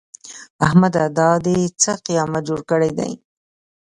احمده! دا دې څه قيامت جوړ کړی دی؟